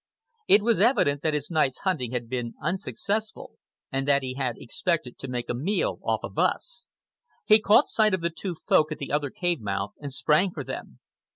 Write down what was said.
It was evident that his night's hunting had been unsuccessful and that he had expected to make a meal off of us. He caught sight of the two Folk at the other cave mouth and sprang for them.